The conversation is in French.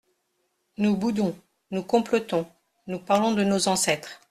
Nous boudons, nous complotons, nous parlons de nos ancêtres.